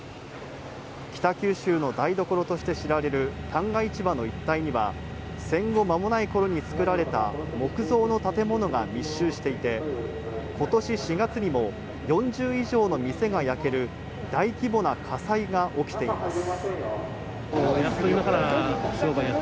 北九州の台所として知られる旦過市場の一帯には、戦後まもない頃に作られた木造の建物が密集していて、今年４月にも４０以上の店が焼ける大規模な火災が起きています。